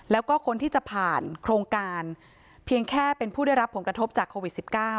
แล้วก็คนที่จะผ่านโครงการเพียงแค่เป็นผู้ได้รับผลกระทบจากโควิด๑๙